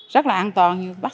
rất là an toàn